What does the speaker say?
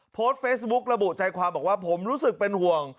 โพสต์เฟซบุ๊กระบุใจความบอกว่าผมรู้สึกเป็นห่วง